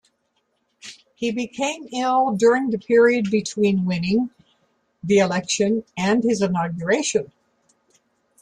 He became ill during the period between winning the election and his inauguration.